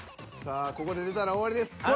さあここで出たら終わりです。